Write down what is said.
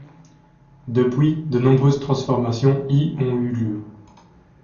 Depuis, de nombreuses transformations y ont eu lieu.